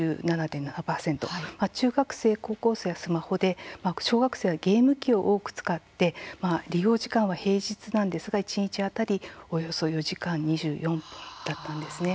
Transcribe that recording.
中学生高校生はスマホで小学生はゲーム機を多く使って利用時間は平日なんですが１日当たりおよそ４時間２４分だったんですね。